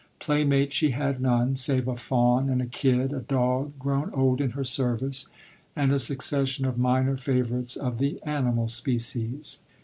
Playmate she had none, save a fawn and a kid, a dog grown old in her service, and a succession of minor favourites of the animal species.